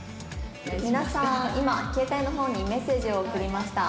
「皆さん今携帯の方にメッセージを送りました」